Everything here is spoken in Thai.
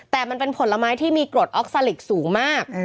แต่มันเป็นผลไม้ที่มีกรดออกซาลิกสูงมาก